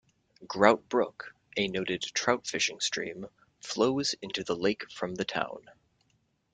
Grout Brook, a noted trout-fishing stream, flows into the lake from the town.